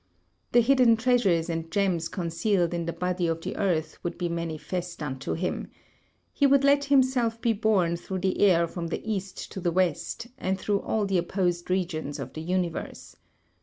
The hidden treasures and gems concealed in the body of the earth would be manifest unto him. He would let himself be borne through the air from the east to the west, and through all the opposed regions of the universe.